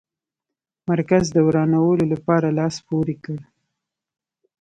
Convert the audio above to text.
مرکز د ورانولو لپاره لاس پوري کړ.